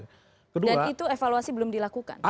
itu evaluasi belum dilakukan